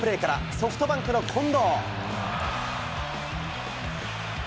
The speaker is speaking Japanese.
ソフトバンクの近藤。